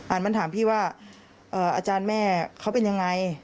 อ่านมาถามพี่ว่าอาจารย์แม่เขาเป็นอย่างไร